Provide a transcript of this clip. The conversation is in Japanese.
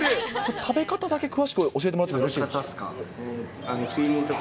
食べ方だけ詳しく教えてもらってもよろしいですか？